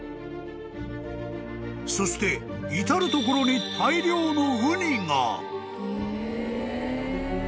［そして至る所に大量の］